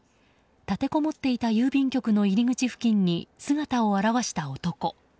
立てこもっていた郵便局の入り口付近に姿を現した男。